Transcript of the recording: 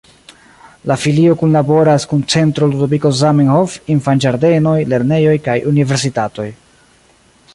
La filio kunlaboras kun Centro Ludoviko Zamenhof, infanĝardenoj, lernejoj kaj universitatoj.